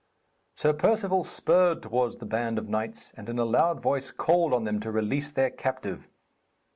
Sir Perceval spurred towards the band of knights, and in a loud voice called on them to release their captive.